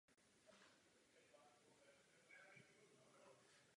Celá rostlina silně voní.